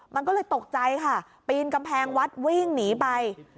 มันก็เลยตกใจค่ะปีนกำแพงวัดวิ่งหนีไป